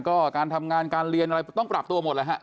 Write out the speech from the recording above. ก็การทำงานการเรียนอะไรต้องปรับตัวหมดแล้วฮะ